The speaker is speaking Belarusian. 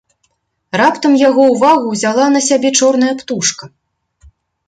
Раптам яго ўвагу ўзяла на сябе чорная птушка.